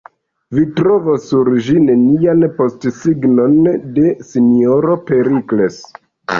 Vi trovos sur ĝi nenian postsignon de S-ro Perikles.